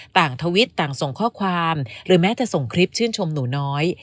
ทวิตต่างส่งข้อความหรือแม้จะส่งคลิปชื่นชมหนูน้อย